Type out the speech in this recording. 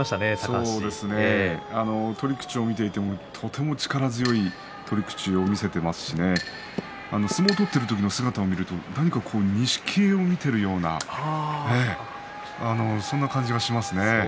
取り口を見ていてもとても力強い取り口を見せていますしね相撲を取っている時の姿を見るとなんか錦絵を見ているようなそんな感じがしますね。